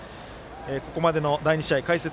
ここまでの第２試合の解説